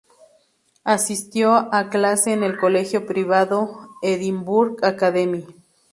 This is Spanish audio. Asistió a clase en el colegio privado Edinburgh Academy.